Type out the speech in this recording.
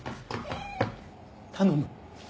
頼む！